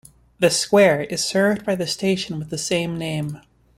The square is served by the station with the same name.